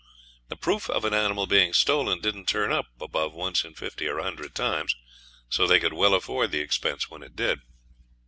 The proof of an animal being stolen didn't turn up above once in fifty or a hundred times, so they could well afford the expense when it did.